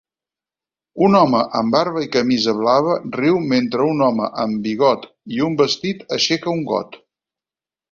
Un home amb barba i camisa blava riu mentre un home amb bigot i un vestit aixeca un got